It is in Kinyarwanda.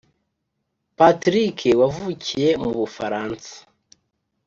Patrick wavukiye mu Bufaransa